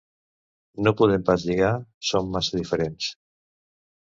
No podem pas lligar: som massa diferents.